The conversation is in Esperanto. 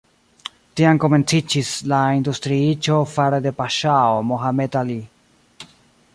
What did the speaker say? Tiam komenciĝis la industriiĝo fare de paŝao Mohamed Ali.